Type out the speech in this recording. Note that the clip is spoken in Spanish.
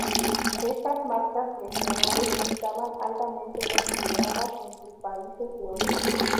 Estas marcas regionales estaban altamente consideradas en sus países de origen.